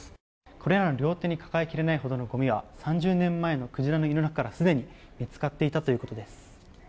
これら、両手に抱え切れないほどのゴミは３０年前の鯨の胃の中からすでに見つかっていたということです。